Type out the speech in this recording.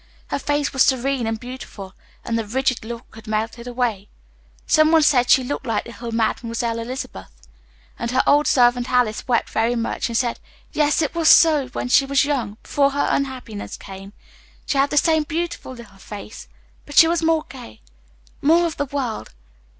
Her face was serene and beautiful, and the rigid look had melted away. Someone said she looked like little Mademoiselle Elizabeth; and her old servant Alice wept very much, and said, "Yes yes it was so when she was young, before her unhappiness came. She had the same beautiful little face, but she was more gay, more of the world.